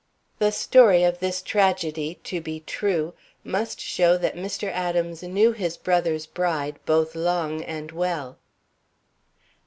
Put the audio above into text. The story of this tragedy, to be true, must show that Mr. Adams knew his brother's bride both long and well.